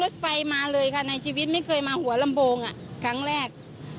ที่เคยมาหัวลำโบงอ่ะครั้งแรก